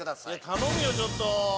頼むよちょっと。